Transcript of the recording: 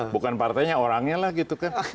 bukan partainya orangnya lah gitu kan